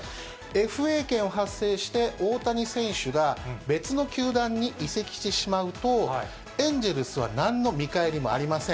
ＦＡ権を発生して、大谷選手が別の球団に移籍してしまうと、エンジェルスはなんの見返りもありません。